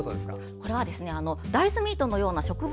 これは大豆ミートのような植物